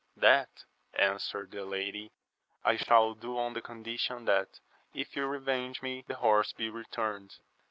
That, answered the lady, I shall do on the condition that if you revenge me, the horse be returned.